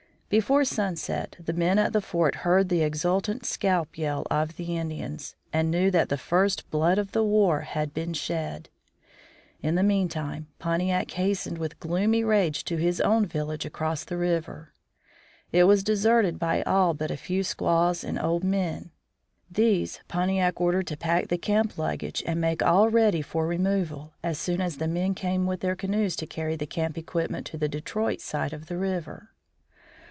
Before sunset the men at the fort heard the exultant scalp yell of the Indians, and knew that the first blood of the war had been shed. In the meantime Pontiac hastened with gloomy rage to his own village across the river. It was deserted by all but a few squaws and old men. These Pontiac ordered to pack the camp luggage and make all ready for removal, as soon as the men came with their canoes to carry the camp equipment to the Detroit side of the river.